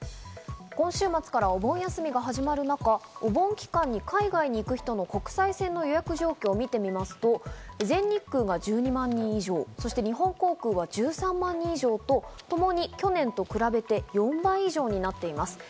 今週末からお盆休みが始まる中、お盆期間に海外に行く人の国際線の予約状況を見てみますと、全日空が１２万人以上、日本航空は１３万人以上とともに去年と比べて４倍以上になっています。